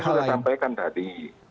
saya sudah sampaikan tadi